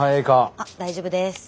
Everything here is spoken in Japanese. あっ大丈夫です。